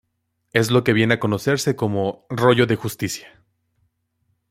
Es lo que viene a conocerse como "rollo de justicia".